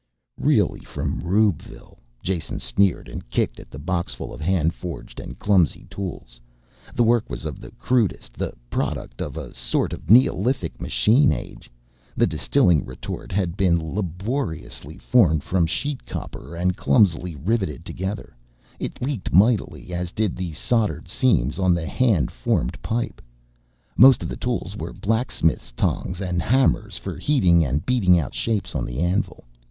"Really from rubeville," Jason sneered and kicked at the boxful of hand forged and clumsy tools. The work was of the crudest, the product of a sort of neolithic machine age. The distilling retort had been laboriously formed from sheet copper and clumsily riveted together. It leaked mightily as did the soldered seams on the hand formed pipe. Most of the tools were blacksmith's tongs and hammers for heating and beating out shapes on the anvil.